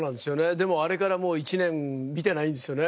でもあれからもう１年見てないんですよね。